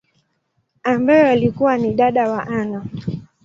ambaye alikua ni dada wa Anna.